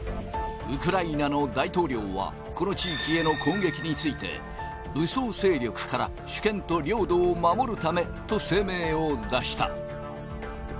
ウクライナの大統領はこの地域への攻撃について武装勢力からと声明を出した。